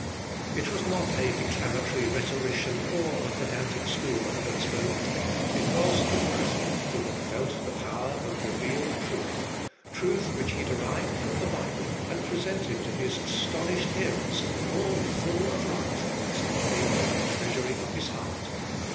It was not a declamatory rhetorician, or a pedantic schoolman that spoke; it was a Christian who had felt the power of revealed truth truth which he derived from the Bible, and presented to his astonished hearers, all full of life, as it came from the treasury of his heart.